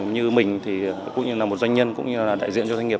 như mình thì cũng như là một doanh nhân cũng như là đại diện cho doanh nghiệp